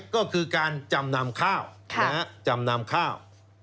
ก็คือการจำนำข้าว